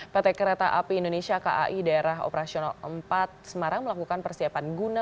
pt kereta api indonesia kai daerah operasional empat semarang melakukan persiapan guna